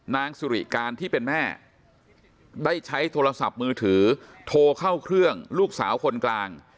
นางสุริการที่เป็นแม่ได้ใช้โทรศัพท์มือถือโทรเข้าเครื่องลูกสาวคนกลาง